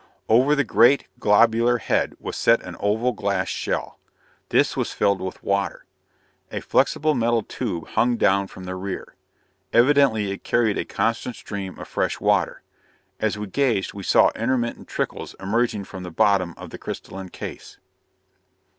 Over the great, globular head was set an oval glass shell. This was filled with water. A flexible metal tube hung down from the rear. Evidently it carried a constant stream of fresh water. As we gazed we saw intermittent trickles emerging from the bottom of the crystalline case.